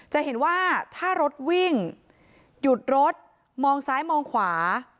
จะเห็นว่าถ้ารถวิ่งหยุดรถมองซ้ายมองขวา